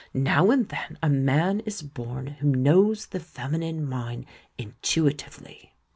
"Xow and then a man is born who knows the feminine mind intuitively."